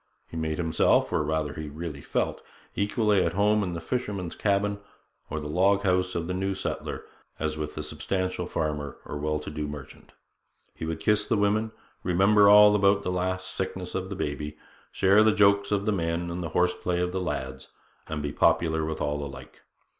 He made himself, or rather he really felt, equally at home in the fisherman's cabin or the log house of the new settler as with the substantial farmer or well to do merchant; he would kiss the women, remember all about the last sickness of the baby, share the jokes of the men and the horse play of the lads, and be popular with all alike.